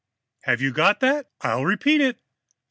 Have you got that? I'll repeat it.